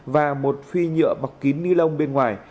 và một phi nhựa bọc kín ni lông bên ngoài